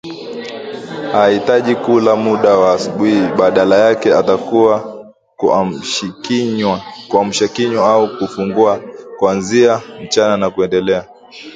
hahitaji kula muda wa asubuhi badala yake hutakiwa kuamshakinywa au kufungua kuanzia mchana na kuendelea